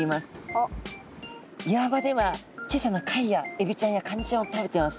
岩場では小さな貝やエビちゃんやカニちゃんを食べてます。